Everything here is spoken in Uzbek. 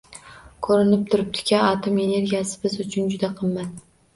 Ko'rinib turibdiki, atom energiyasi biz uchun juda qimmat